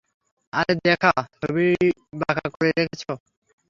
আরে দেখো, ছবিটা বাঁকা করে রেখেছে।